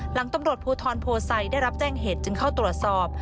หลังตำรวจภูทรโพไซได้รับแจ้งเหตุจึงเข้าตรวจสอบ